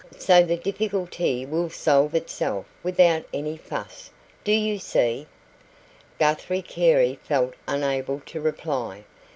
So the difficulty will solve itself without any fuss. Do you see?" Guthrie Carey felt unable to reply.